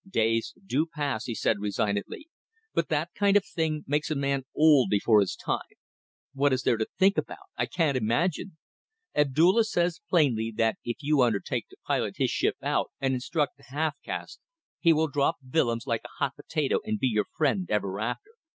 "Days do pass," he said, resignedly "but that kind of thing makes a man old before his time. What is there to think about? I can't imagine! Abdulla says plainly that if you undertake to pilot his ship out and instruct the half caste, he will drop Willems like a hot potato and be your friend ever after.